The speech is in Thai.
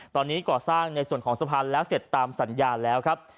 ตอนนี้ก่อสร้างในส่วนของสะพานแล้วเสร็จตามสัญญาแล้วครับ